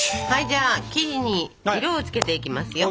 じゃあ生地に色を付けていきますよ。